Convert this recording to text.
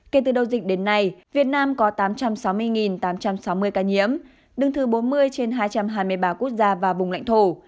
kể từ đầu dịch đến nay việt nam có tám trăm sáu mươi tám trăm sáu mươi ca nhiễm đứng thứ bốn mươi trên hai trăm hai mươi ba quốc gia và vùng lãnh thổ